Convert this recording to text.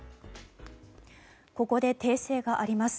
ここで訂正があります。